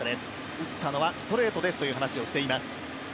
打ったのはストレートですという話をしています。